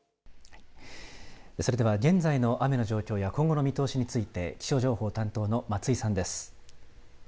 それでは現在の雨の状況や今後の見通しについて気象情報担当の松井さんです。